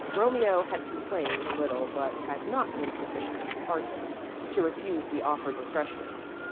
Romeo had complained a little but had not been sufficiently Spartan to refuse the offered refreshment.